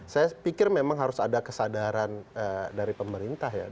saya pikir memang harus ada kesadaran dari pemerintah ya